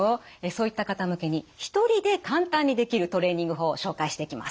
そういった方向けに一人で簡単にできるトレーニング法を紹介していきます。